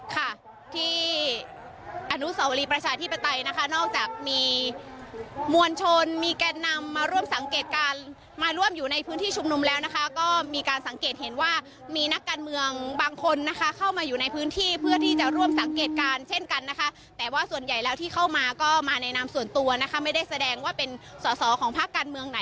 ค่ะที่อนุสาวรีประชาธิปไตยนะคะนอกจากมีมวลชนมีแกนนำมาร่วมสังเกตการณ์มาร่วมอยู่ในพื้นที่ชุมนุมแล้วนะคะก็มีการสังเกตเห็นว่ามีนักการเมืองบางคนนะคะเข้ามาอยู่ในพื้นที่เพื่อที่จะร่วมสังเกตการณ์เช่นกันนะคะแต่ว่าส่วนใหญ่แล้วที่เข้ามาก็มาในนามส่วนตัวนะคะไม่ได้แสดงว่าเป็นสอสอของภาคการเมืองไหน